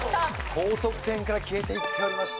高得点から消えていっております。